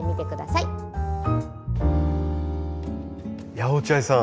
いや落合さん